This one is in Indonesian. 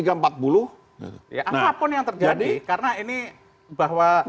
apapun yang terjadi karena ini bahwa